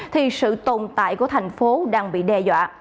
thì sự tồn tại của thành phố đang bị đe dọa